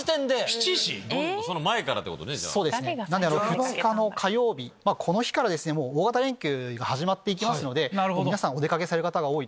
２日の火曜日から大型連休が始まっていきますので皆さんお出かけされる方が多い。